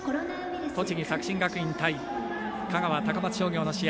栃木、作新学院対香川、高松商業の試合。